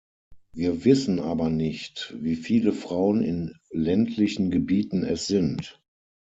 Wir wissen aber nicht, wie viele Frauen in ländlichen Gebieten es sind.